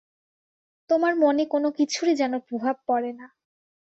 তোমার মনে কোন কিছুরই যেন প্রভাব পড়ে না।